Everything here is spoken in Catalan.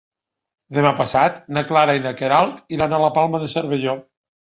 Demà passat na Clara i na Queralt iran a la Palma de Cervelló.